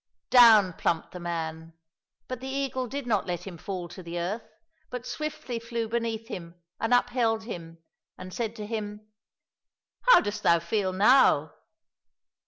Down plumped the man ; but the eagle did not let him fall to the earth, but swiftly flew beneath him and upheld him, and said to him, " How dost thou feel now